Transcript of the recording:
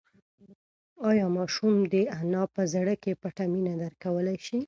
ایا ماشوم د انا په زړه کې پټه مینه درک کولی شي؟